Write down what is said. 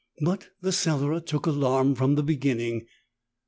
But the Cellarer took alarm from the beginning.